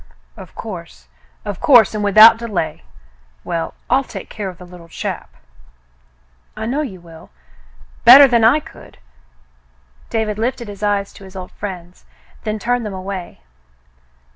Of course, of course, and without delay. Well, I'll take care of the Httle chap." *'I know you will, better than I could." David lifted his eyes to his old friend's, then turned them away.